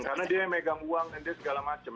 karena dia yang megang uang dan segala macam